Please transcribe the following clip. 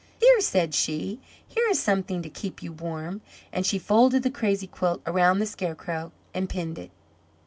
"Here," said she, "here is something to keep you warm," and she folded the crazy quilt around the Scarecrow and pinned it.